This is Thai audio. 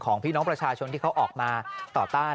พี่น้องประชาชนที่เขาออกมาต่อต้าน